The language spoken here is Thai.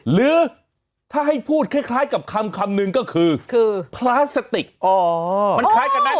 หรือถ้าให้พูดคล้ายกับคำนึงก็คือพลาสติก